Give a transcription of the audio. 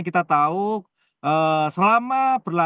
kita tahu selama ini kita bisa menang